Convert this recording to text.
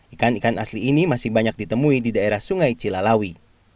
ikan ikan asli ini masih banyak ditemui di daerah sungai cilalawi